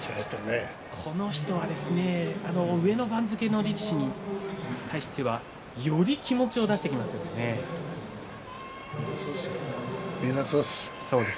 この人は上の番付の力士に対してはより気持ちをみんなそうです。